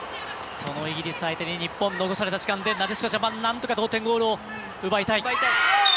そのイギリス相手に日本、残された時間でなでしこジャパンなんとか同点ゴールを奪いたい。